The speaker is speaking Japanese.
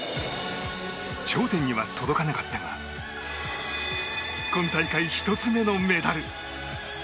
頂点には届かなかったが今大会１つ目のメダル。